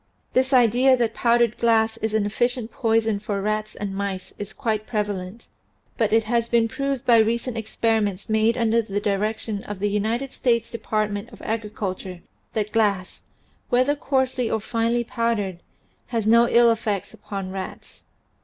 This idea that powdered glass is an efficient poison for rats and mice is quite prevalent, but it has been proved by recent experiments made under the direction of the United States Department of Agriculture that glass, whether coarsely or finely powdered, has no ill effects upon rats.